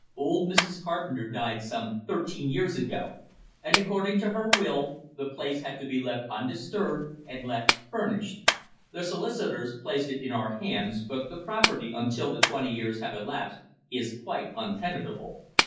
Old Mrs. Carpenter died some thirteen years ago, and according to her will the place had to be left undisturbed, and let furnished. The solicitors placed it in our hands, but the property until the twenty years have elapsed, is quite untenantable.